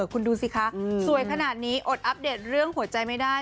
คุณดูสิคะสวยขนาดนี้อดอัปเดตเรื่องหัวใจไม่ได้